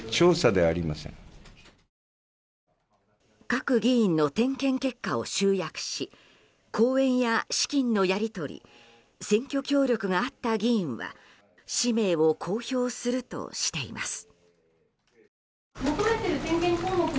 各議員の点検結果を集約し講演や資金のやり取り選挙協力があった議員は氏名を公表するとしています。